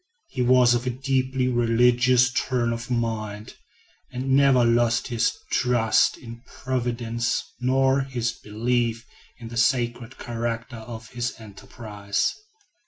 He was of a deeply religious turn of mind, and never lost his trust in Providence nor his belief in the sacred character of his enterprise.